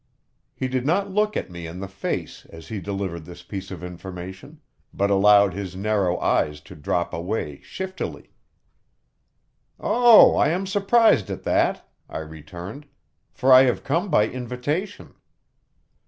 He did not look me in the face as he delivered this piece of information, but allowed his narrow eyes to drop away shiftily. "Oh, I am surprised at that," I returned, "for I have come by invitation."